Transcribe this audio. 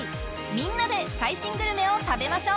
みんなで最新グルメを食べましょう！